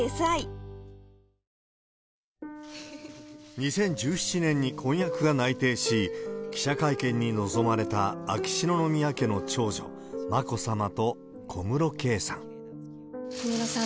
２０１７年に婚約が内定し、記者会見に臨まれた秋篠宮家の長女、眞子さまと小室圭さん。